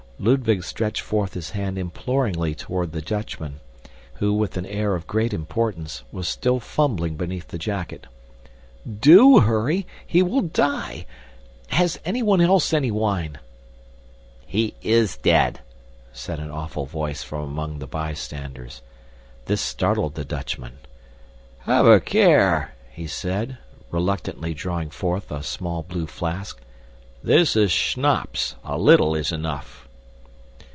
Ludwig stretched forth his hand imploringly toward the Dutchman, who, with an air of great importance, was still fumbling beneath the jacket. "DO hurry! He will die! Has anyone else any wine?" "He IS dead!" said an awful voice from among the bystanders. This startled the Dutchman. "Have a care!" he said, reluctantly drawing forth a small blue flask. "This is schnapps. A little is enough."